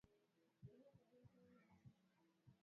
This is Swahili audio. ili waweze kuanzisha misingi ya kijeshi katika Hatua